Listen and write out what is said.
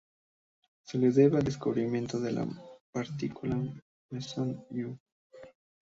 Se le debe el descubrimiento de la "la partícula Mesón U".